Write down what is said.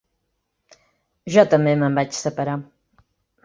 Jo també me'n vaig separar.